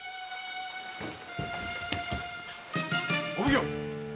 お奉行！